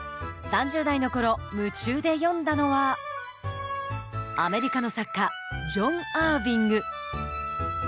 ３０代の頃夢中で読んだのはアメリカの作家ジョン・アーヴィング。